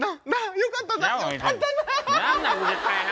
よかったな？